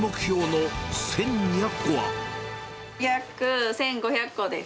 約１５００個です。